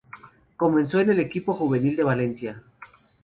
Comenzó en el equipo juvenil del Valencia.